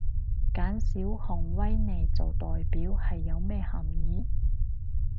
揀小熊維尼做代表係有咩含意？